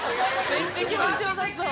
「めっちゃ気持ち良さそう」